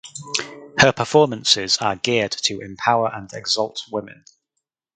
Her performances are geared to empower and exalt women.